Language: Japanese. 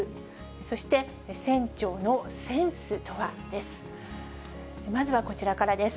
そして、船長のセンスとはです。